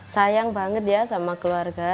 sayang banget ya sama keluarga